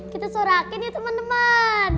kita sorakin ya teman teman